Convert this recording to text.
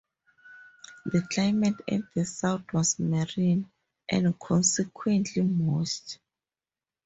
The climate at the south was marine, and consequently moist.